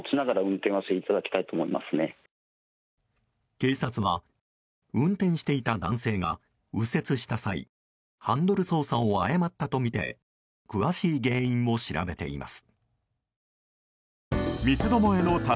警察は運転していた男性が右折した際ハンドル操作を誤ったとみて詳しい原因を調べています。